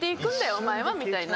お前はみたいな。